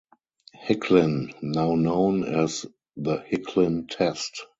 Hicklin., now known as the Hicklin test.